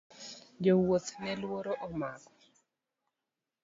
Jo wuoth ne luoro omako.